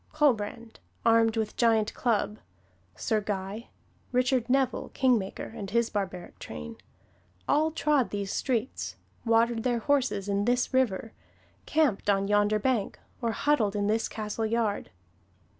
Colbrand, armed with giant club; Sir Guy; Richard Neville, kingmaker, and his barbaric train, all trod these streets, watered their horses in this river, camped on yonder bank, or huddled in this castle yard.